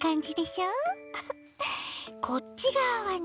こっちがわはね